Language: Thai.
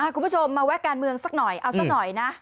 คุณผู้ชมมาแวะการเมืองสักหน่อยเอาสักหน่อยนะ